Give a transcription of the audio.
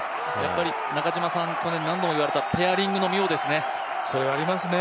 中嶋さん、去年、何度も言われたペアリングの妙ですね。